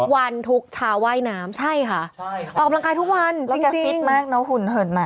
อ๋อเหรอใช่ค่ะออกกำลังกายทุกวันจริงแล้วแกฟิตมากนะหุ่นเหิดน่ะ